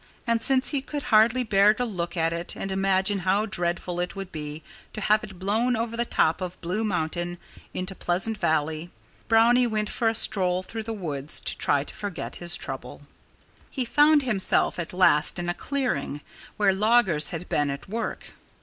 And since he could hardly bear to look at it and imagine how dreadful it would be to have it blown over the top of Blue Mountain into Pleasant Valley, Brownie went for a stroll through the woods to try to forget his trouble. He found himself at last in a clearing, where loggers had been at work.